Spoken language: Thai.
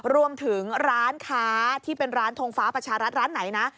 รวมถึงร้านค้าที่เป็นร้านทงฟ้าประชารัฐร้านไหนนะ